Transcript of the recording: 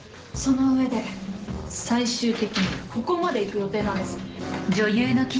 その上で最終的にここまで行く予定なんです。